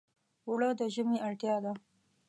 اوړه د ژمي اړتیا ده